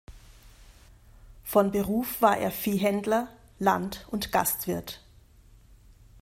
Von Beruf war er Viehhändler, Land- und Gastwirt.